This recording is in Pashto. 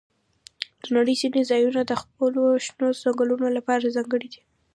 د نړۍ ځینې ځایونه د خپلو شنو ځنګلونو لپاره ځانګړي دي.